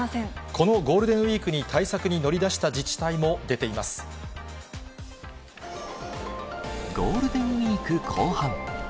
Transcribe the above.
このゴールデンウィークに対策に乗り出した自治体も出ていまゴールデンウィーク後半。